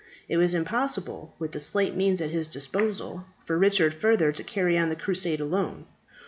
It was impossible, with the slight means at his disposal, for Richard further to carry on the crusade alone.